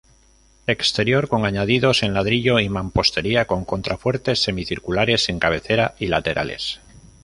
Exterior con añadidos en ladrillo y mampostería, con contrafuertes semicirculares en cabecera y laterales.